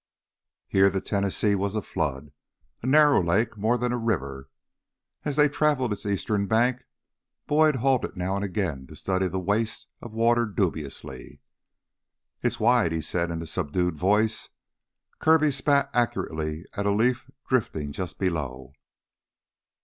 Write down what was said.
Here the Tennessee was a flood, a narrow lake more than a river. As they traveled its eastern bank Boyd halted now and again to study the waste of water dubiously. "It's wide," he said in a subdued voice. Kirby spat accurately at a leaf drifting just below.